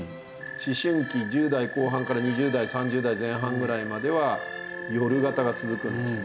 思春期１０代後半から２０代３０代前半ぐらいまでは夜型が続くんですね。